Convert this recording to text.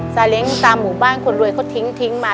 ซาเล้งตามหมู่บ้านคนรวยเขาทิ้งมา